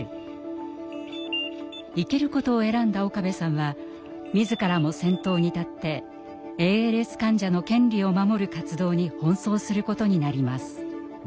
生きることを選んだ岡部さんは自らも先頭に立ってＡＬＳ患者の権利を守る活動に奔走することになります。